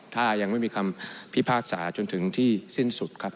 ถ้ายังไม่มีคำพิพากษาจนถึงที่สิ้นสุดครับ